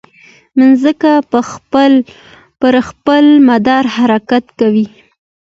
مځکه پر خپل مدار حرکت کوي.